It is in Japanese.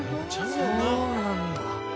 そうなんだ。